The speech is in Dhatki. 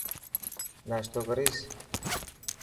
ناشتو ڪريس.